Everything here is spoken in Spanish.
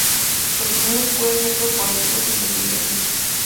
Los procesos pueden ser cooperativos o independientes.